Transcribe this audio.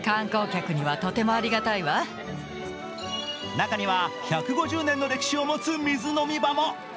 中には１５０年の歴史を持つ水飲み場も。